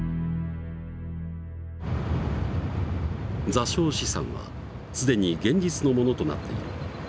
座礁資産は既に現実のものとなっている。